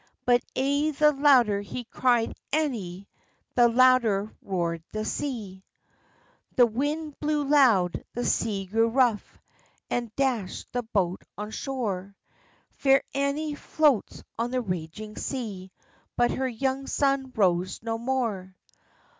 But ay the louder he cried "Annie," The louder roard the sea. The wind blew loud, the sea grew rough, And dashd the boat on shore; Fair Annie floats on the raging sea, But her young son rose no more.